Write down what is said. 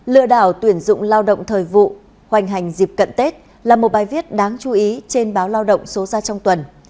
lừa đảo tuyển dụng lao động thời vụ hoành hành dịp cận tết là một bài viết đáng chú ý trên báo lao động số ra trong tuần